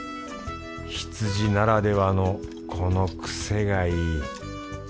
羊ならではのこのクセがいい。